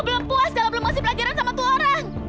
gue belum puas dalam ngasih pelagiran sama tu orang